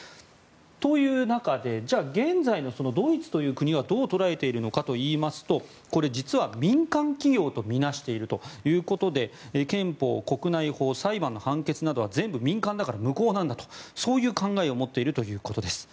という中でじゃあ現在のドイツという国がどう捉えているのかといいますと実は、民間企業とみなしているということで憲法、国内法、裁判判決などは全部民間だから無効だという考えを持っているということです。